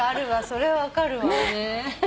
それは分かるわ。